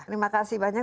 terima kasih banyak